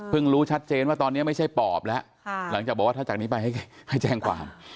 รู้ชัดเจนว่าตอนนี้ไม่ใช่ปอบแล้วหลังจากบอกว่าถ้าจากนี้ไปให้แจ้งความ